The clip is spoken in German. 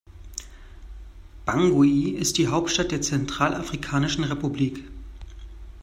Bangui ist die Hauptstadt der Zentralafrikanischen Republik.